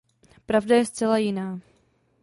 Pravda je zcela jiná.